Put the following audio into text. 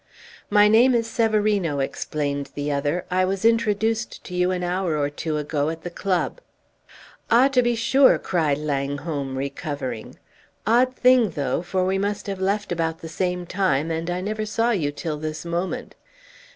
"My name is Severino," explained the other. "I was introduced to you an hour or two ago at the club." "Ah, to be sure!" cried Langholm, recovering. "Odd thing, though, for we must have left about the same time, and I never saw you till this moment."